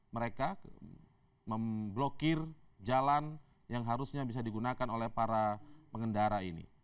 mereka memblokir jalan yang harusnya bisa digunakan oleh para pengendara ini